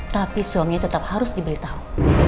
tapi suaminya tetap harus diberitahu